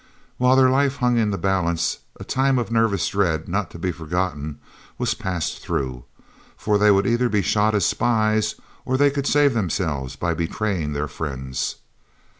While their life hung in the balance a time of nervous dread, not to be forgotten, was passed through, for they would either be shot as spies or they could save themselves by betraying their friends.